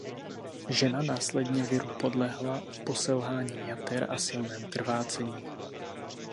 Žena následně viru podlehla po selhání jater a silném krvácení.